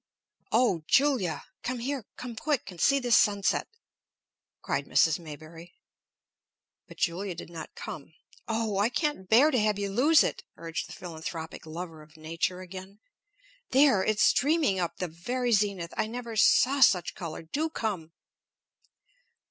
"O Julia! Come here, come quick, and see this sunset!" cried Mrs. Maybury. But Julia did not come. "Oh! I can't bear to have you lose it," urged the philanthropic lover of nature again. "There! It's streaming up the very zenith. I never saw such color do come."